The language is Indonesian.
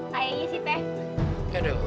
kayaknya sih tete